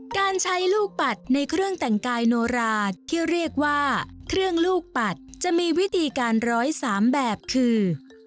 การใช้ลูกปัดในเครื่องแต่งกายโนราที่เรียกว่าเครื่องลูกปัดจะมีวิธีการ๑๐๓แบบคือ